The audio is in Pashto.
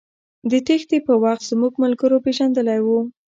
د تېښتې په وخت زموږ ملګرو پېژندلى و.